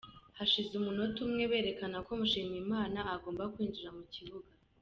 Hashize umunota umwe berekana ko Mushimiyimana agomba kwinjira mu kibuga .